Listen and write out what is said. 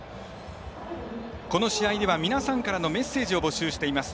この試合では皆さんからのメッセージを募集しています。